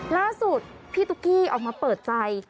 ล่าสุดพี่ตุ๊กกี้ออกมาเปิดใจ